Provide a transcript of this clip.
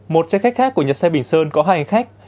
một xe khách khác của nhà xe bình sơn có hai hành khách